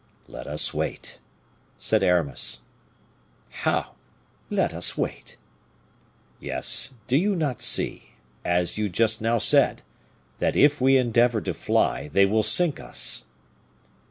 "Let us wait," said Aramis. "How let us wait?" "Yes; do you not see, as you just now said, that if we endeavor to fly, they will sink us?"